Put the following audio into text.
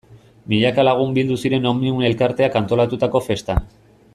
Milaka lagun bildu ziren Omnium elkarteak antolatutako festan.